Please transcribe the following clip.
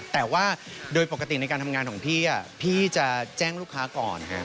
แต่ว่าโดยปกติในการทำงานของพี่พี่จะแจ้งลูกค้าก่อน